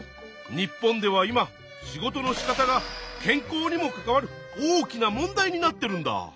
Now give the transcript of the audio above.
日本では今仕事のしかたが健康にも関わる大きな問題になってるんだ。